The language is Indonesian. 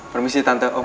permisi tante om